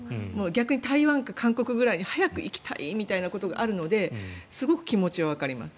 逆に台湾とか韓国ぐらいに早く行きたいみたいなこともあるのですごく気持ちはわかります。